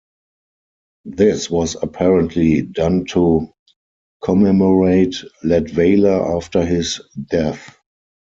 This was apparently done to commemorate Latvala after his death.